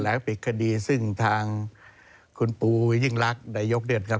แถลงปิดคดีซึ่งทางคุณปูยิ่งรักในยกเดือนครับ